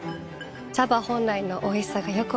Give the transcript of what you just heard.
茶葉本来のおいしさがよく分かります。